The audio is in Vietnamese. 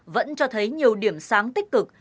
vẫn cho thấy nhiều điểm sáng tích cực